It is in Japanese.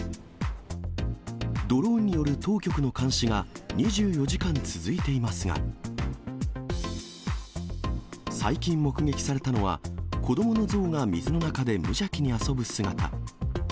ドローンによる当局の監視が２４時間続いていますが、最近目撃されたのは、子どもの象が水の中で無邪気に遊ぶ姿。